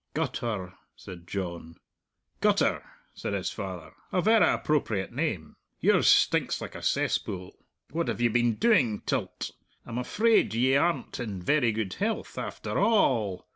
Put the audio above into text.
"Guttur," said John. "Gutter," said his father. "A verra appropriate name! Yours stinks like a cesspool! What have you been doing till't? I'm afraid ye aren't in very good health, after a all....